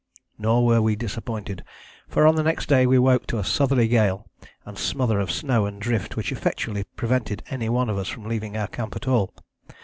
Nor were we disappointed, for on the next day we woke to a southerly gale and smother of snow and drift, which effectually prevented any one of us from leaving our camp at all.